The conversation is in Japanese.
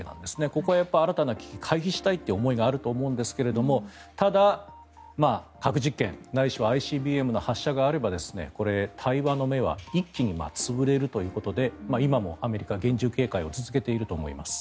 ここは新たな危機を回避したいという思いがあると思うんですけどただ、核実験ないしはＩＣＢＭの発射があればこれは対話の芽は一気に潰れるということで今もアメリカは厳重警戒を続けていると思います。